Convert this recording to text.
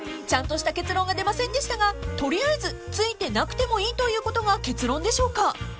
［ちゃんとした結論が出ませんでしたが取りあえずついてなくてもいいということが結論でしょうか］